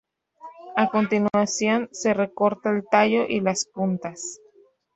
A continuación, se recorta el tallo y las puntas.